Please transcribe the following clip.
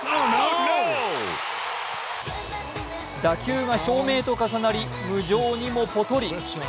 打球が照明と重なり無情にもポトリ。